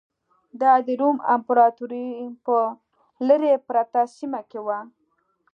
دا د روم امپراتورۍ په لرې پرته سیمه کې و